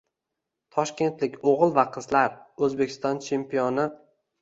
Toshkentlik o‘g‘il va qizlar – O‘zbekiston chempioni